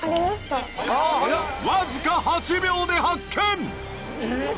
わずか８秒で発見！